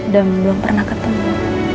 dan belum pernah ketemu